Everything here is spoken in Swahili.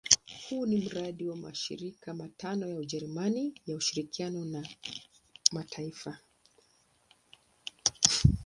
Huu ni mradi wa mashirika matano ya Ujerumani ya ushirikiano wa kimataifa.